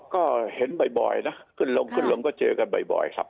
ก็เห็นบ่อยนะขึ้นลงก็เจอกันบ่อย